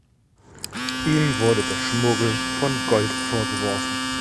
Ihm wurde der Schmuggel von Gold vorgeworfen.